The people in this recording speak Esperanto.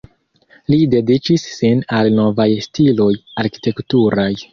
Li dediĉis sin al novaj stiloj arkitekturaj.